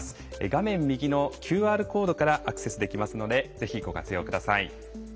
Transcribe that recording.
画面右のＱＲコードからアクセスできますのでぜひご活用ください。